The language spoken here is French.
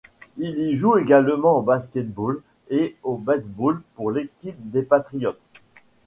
Il y joue également au basket-ball et au baseball pour l'équipe des Patriots.